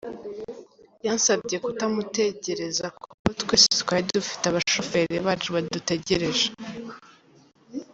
Yansabye kutamutegereza kuko twese twari dufite abashoferi bacu badutegereje.”